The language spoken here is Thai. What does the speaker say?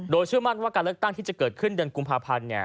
โดยเชื่อมั่นว่าการเลือกตั้งที่จะเกิดขึ้นเดือนกุมภาพันธ์